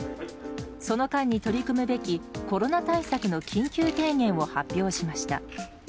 その間に取り組むべきコロナ対策の緊急提言を発表しました。